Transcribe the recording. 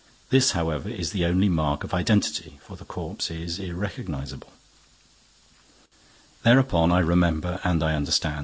This, however, is the only mark of identity, for the corpse is irrecognizable. Thereupon I remember and I understand.